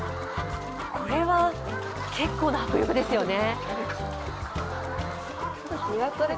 これは結構な迫力ですよね。